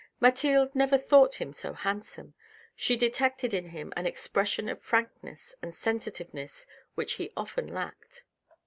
Mathilde never thought him so handsome ; she detected in him an expression of frankness and sensitiveness which he often lacked.